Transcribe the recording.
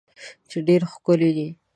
چې ډیر ښکلی دی